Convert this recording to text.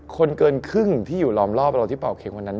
เกินครึ่งที่อยู่ล้อมรอบเราที่เป่าเค้กวันนั้น